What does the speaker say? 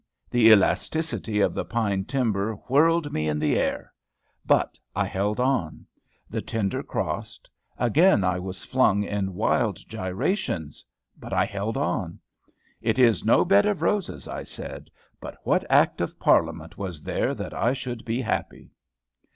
The elasticity of the pine timber whirled me in the air! But I held on. The tender crossed. Again I was flung in wild gyrations. But I held on. "It is no bed of roses," I said; "but what act of Parliament was there that I should be happy."